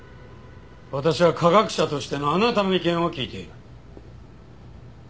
私は科学者としてのあなたの意見を聞いている。